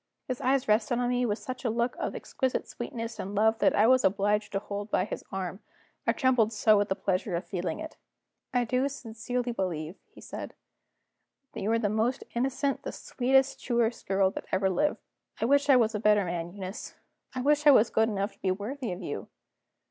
His eyes rested on me with such a look of exquisite sweetness and love that I was obliged to hold by his arm, I trembled so with the pleasure of feeling it. "I do sincerely believe," he said, "that you are the most innocent girl, the sweetest, truest girl that ever lived. I wish I was a better man, Eunice; I wish I was good enough to be worthy of you!"